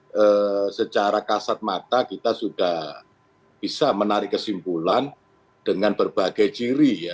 jadi secara kasat mata kita sudah bisa menarik kesimpulan dengan berbagai ciri ya